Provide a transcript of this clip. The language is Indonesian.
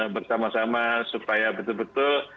bersama sama supaya betul betul